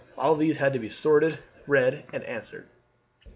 All these had to be sorted, read, and answered.